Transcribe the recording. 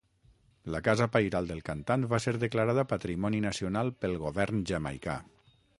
La casa pairal del cantant va ser declarada patrimoni nacional pel govern jamaicà.